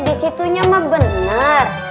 di situnya mah bener